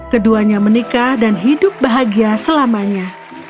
keduanya menikah dan hidup bahagia selamanya